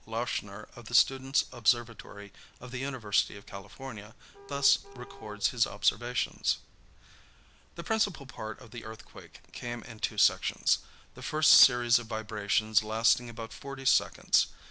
O. Louschner, of the students' observatory of the University of California, thus records his observations: "The principal part of the earthquake came in two sections, the first series of vibrations lasting about forty seconds.